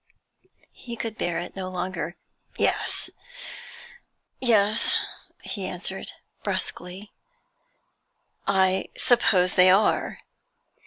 He could bear it no longer. 'Yes,' he answered, brusquely, 'I suppose they are.'